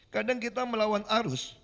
kadang kita melawan arus